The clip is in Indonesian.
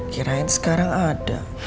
kirain sekarang ada